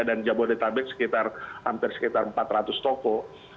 dan jabodetabek hampir sekitar empat ratus toko